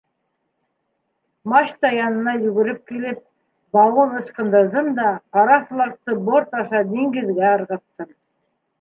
Мачта янына йүгереп килеп, бауын ыскындырҙым да ҡара флагты борт аша диңгеҙгә ырғыттым.